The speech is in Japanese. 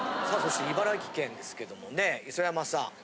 さあそして茨城県ですけどもね磯山さん。